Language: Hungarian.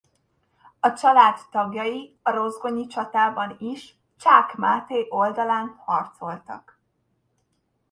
A család tagjai a rozgonyi csatában is Csák Máté oldalán harcoltak.